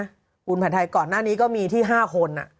รวมของผู้ขึ้นผ่านไทย์ก่อนหน้านี้ก็มีที่๕คน